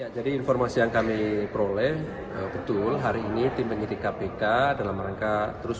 jadi informasi yang kami peroleh betul hari ini tim pengirik kpk dalam rangka terus